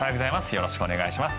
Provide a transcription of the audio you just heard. よろしくお願いします。